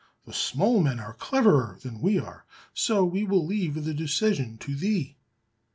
The small men are cleverer than we are, so we will leave the decision to thee."